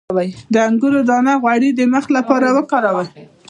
د انګور دانه غوړي د مخ لپاره وکاروئ